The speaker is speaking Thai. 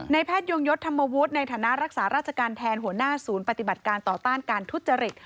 แพทยงยศธรรมวุฒิในฐานะรักษาราชการแทนหัวหน้าศูนย์ปฏิบัติการต่อต้านการทุจริต